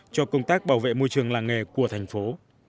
cho công tác bảo vệ môi trường làng nghề của thành phố